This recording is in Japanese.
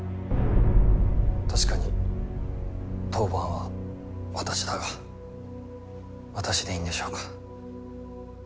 確かに当番は私だが私でいいんでしょうか。